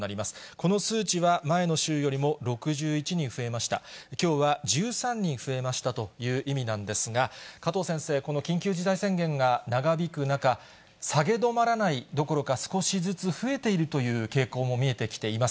この数値は前の週よりも６１人増えました、きょうは１３人増えましたという意味なんですが、加藤先生、この緊急事態宣言が長引く中、下げ止まらないどころか、少しずつ増えているという傾向も見えてきています。